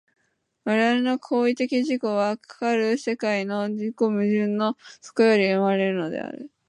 我々の行為的自己は、かかる世界の自己矛盾の底より生まれるのである。